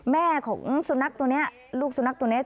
แม่ของสุนัขตัวนี้ลูกสุนัขตัวนี้